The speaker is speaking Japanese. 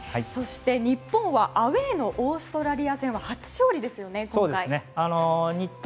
そして日本はアウェーのオーストラリア戦は初勝利ですよね、今回。